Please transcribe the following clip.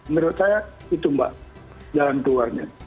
menurut saya itu mbak jalan keluarnya